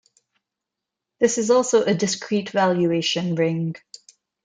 This is also a discrete valuation ring.